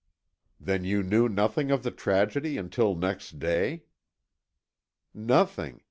"Then you knew nothing of the tragedy until next day?" "Nothing.